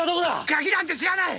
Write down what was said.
鍵なんて知らない！